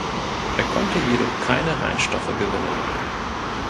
Er konnte jedoch keine Reinstoffe gewinnen.